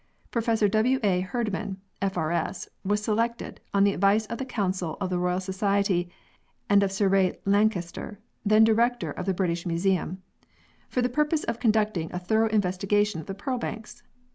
Professor W. A. Herd man, F.R.S., was selected, on the advice of the Council of the Royal Society and of Sir Ray Lankester, then director of the British Museum, for the purpose of conducting a thorough investiga tion of the pearl banks.